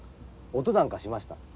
音なんかしました？